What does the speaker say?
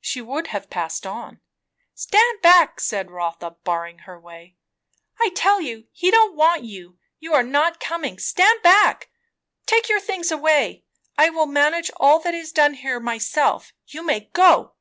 She would have passed on. "Stand back!" said Rotha, barring her way. "I tell you, he don't want you, and you are not coming. Stand back! Take your things away. I will manage all that is done here myself. You may go!"